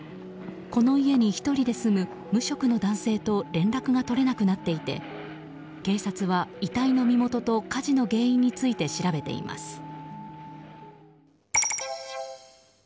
この家に住む１人で住む無職の男性と連絡が取れなくなっていて警察は遺体の身元と火事の原因について調べています。